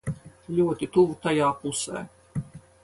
Ļoti tuvu tajā pusē.